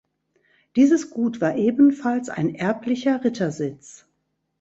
Dieses Gut war ebenfalls ein erblicher Rittersitz.